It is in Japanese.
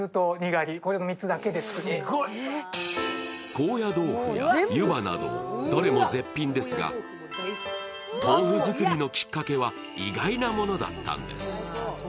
高野豆腐や湯葉などどれも絶品ですが豆腐作りのきっかけは意外なものだったんです。